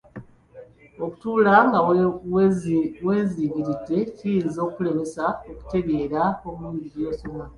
Okutuula nga weewunziikiridde kiyinza okukulemesa okutegeera obulungi by'osoma.